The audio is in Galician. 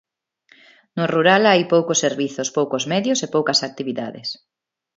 No rural hai poucos servizos, poucos medios e poucas actividades.